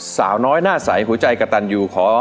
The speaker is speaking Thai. สาวน้อยหน้าใสหัวใจกระตันอยู่ขอ